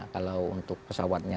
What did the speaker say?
kalau untuk pesawatnya